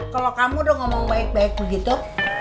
kalau kamu udah ngomong baik baik begitu